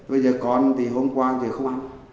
bây giờ con thì hôm qua thì không ăn